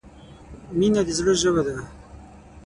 • مینه د زړۀ ژبه ده.